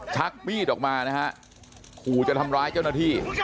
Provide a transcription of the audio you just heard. ชักมีดออกมานะฮะขู่จะทำร้ายเจ้าหน้าที่